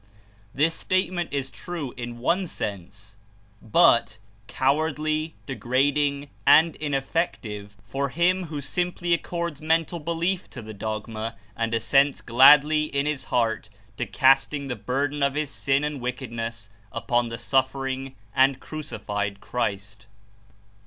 This statement is true in one sense, but cowardly, degrad ing and ineffective for him who simply accords mental belief to the dogma and assents gladly in his heart to casting the burden of his sin and wickedness upon the suffering and crucified Christ.